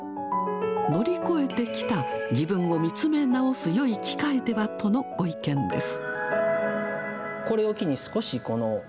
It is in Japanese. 乗り越えてきた自分を見つめ直す、よい機会ではとのご意見です。